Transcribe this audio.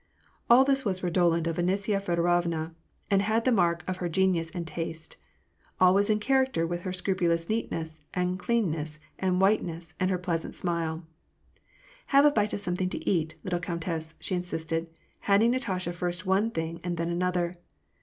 All this was redolent of Anisya Feodorovna, and had the mark of her genius and taste. All was in character with her scrupulous neatness, and cleanness, and whiteness, and her pleasant smile. " Have a bite of something to eat, little countess," she in sisted, handing Natasha first one thing and then another.